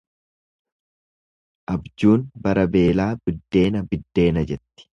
Abjuun bara beelaa biddeena biddeena jetti.